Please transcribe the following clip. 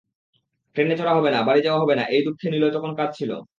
ট্রেনে চড়া হবে না, বাড়ি যাওয়া হবে না—এই দুঃখে নিলয় তখন কাঁদছিল।